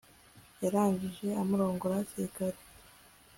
yarangije amurongora hakiri kare